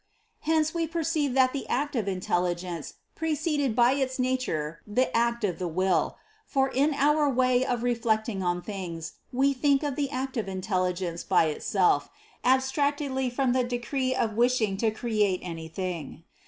Hence we perceive that the act of intelligence preceded by its nature the act of the will For in our way of reflecting on things, we think of the act of intelli gence by itself, abstractedly from the decree of wishing to create anything.